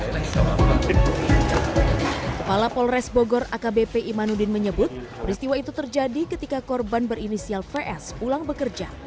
kepala polres bogor akbp imanudin menyebut peristiwa itu terjadi ketika korban berinisial vs pulang bekerja